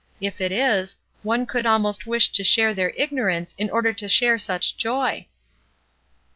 If it is, one could almost wish to share their ignorance in order to share such joy."